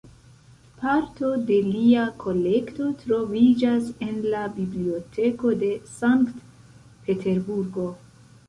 Parto de lia kolekto troviĝas en la Biblioteko de Sankt-Peterburgo.